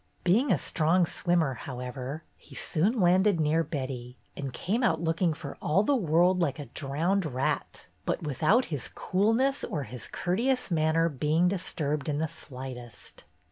Being a strong swimmer, however, he soon landed near Betty, and came out looking for all the world like a drowned rat, but without his coolness or his courteous manner being disturbed in the slightest.